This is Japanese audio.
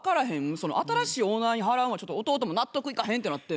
その新しいオーナーに払うんはちょっと弟も納得いかへんってなって。